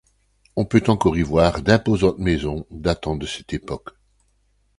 On peut encore y voir d'imposantes maisons datant de cette époque.